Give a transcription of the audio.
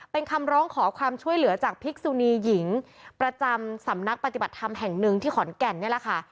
เป็นคำร้องขอความช่วยเหลือจากพิกษุนีหญิงประจำสำนักปฏิบัติธรรมแห่งหนึ่งที่ขอนแก่นนี่แหละค่ะ